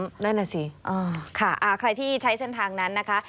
นั่นน่ะสิค่ะใครที่ใช้เส้นทางนั้นนะคะ